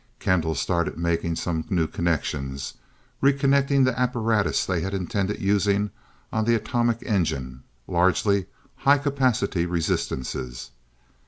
Kendall started making some new connections, reconnecting the apparatus they had intended using on the "atomic engine," largely high capacity resistances.